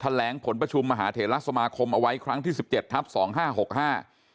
แหลงผลประชุมมหาเถระสมาคมเอาไว้ครั้งที่สิบเจ็ดทับสองห้าหกห้า